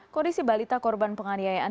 kondisi balita korban penganiayaan